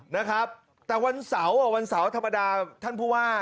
นะครับแต่วันเสาร์วันเสาร์ธรรมดาท่านผู้ว่า